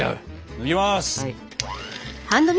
いきます！